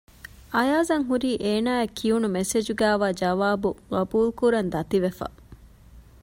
އަޔާޒަށް ހުރީ އޭނާއަށް ކިޔުނު މެސެޖުގައިވާ ޖަވާބު ގަބޫލުކުރަން ދަތިވެފަ